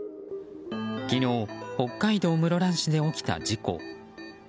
昨日、北海道室蘭市で起きた事故。